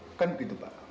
bukan begitu pak